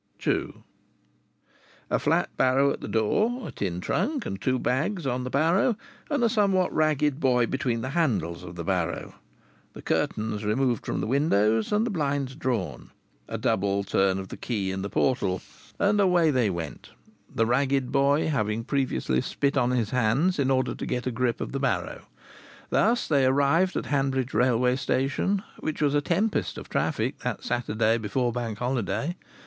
II A flat barrow at the door, a tin trunk and two bags on the barrow, and a somewhat ragged boy between the handles of the barrow! The curtains removed from the windows, and the blinds drawn! A double turn of the key in the portal! And away they went, the ragged boy having previously spit on his hands in order to get a grip of the barrow. Thus they arrived at Hanbridge Railway Station, which was a tempest of traffic that Saturday before Bank Holiday.